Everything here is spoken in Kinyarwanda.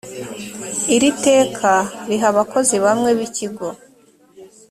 iri teka riha abakozi bamwe b’ikigo